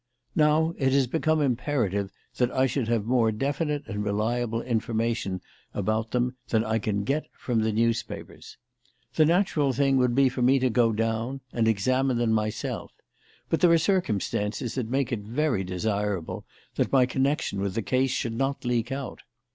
Now, it has become imperative that I should have more definite and reliable information about them than I can get from the newspapers. The natural thing would be for me to go down and examine them myself, but there are circumstances that make it very desirable that my connection with the case should not leak out.